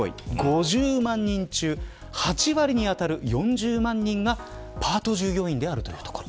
５０万人中８割に当たる４０万人がパート従業員であるというところ。